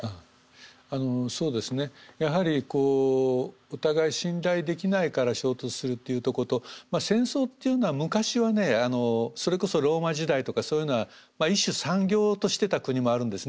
そうですねやはりこうお互い信頼できないから衝突するっていうとこと戦争っていうのは昔はねそれこそローマ時代とかそういうのは一種産業としてた国もあるんですね。